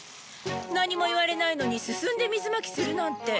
何も言われないのに進んで水まきするなんて。